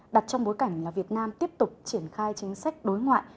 đặt trong bối cảnh là việt nam tiếp tục triển khai chính sách đối ngoại